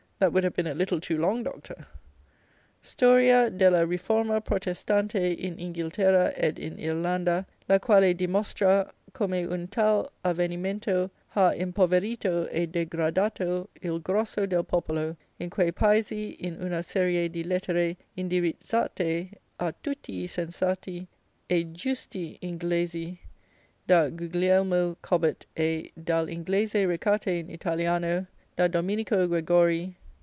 That would have been a little too long, Doctor. Storia Della Riforma Protestante In Inghilterra ed in Irlanda La quale Dimostra Come un tal' avvenimento ha impoverito E degradato il grosso del popolo in que' paesi in una serie di lettere indirizzate A tutti i sensati e guisti inglesi Da Guglielmo Cobbett E Dall' inglese recate in italiano Da Dominico Gregorj.